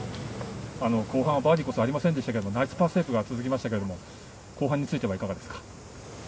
後半はバーディーこそありませんでしたけどナイスパーセーブが続きましたけど後半はいかがですか？